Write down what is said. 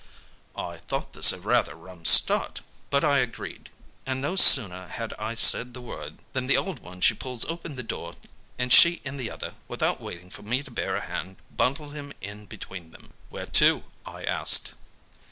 "I thought this rather a rum start, but I agreed, and no sooner had I said the word than the old one she pulls open the door, and she and the other, without waiting for me to bear a hand, bundled him in between them. "'Where to?' I asked.